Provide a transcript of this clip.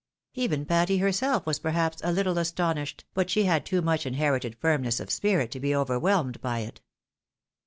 Even Patty herself was perhaps a little aston ished, but she had too much inherited firmness of spirit to be overwhelmed by it.